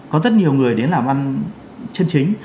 có rất nhiều người đến làm ăn chân chính